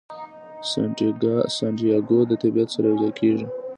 سانتیاګو د طبیعت سره یو ځای کیږي.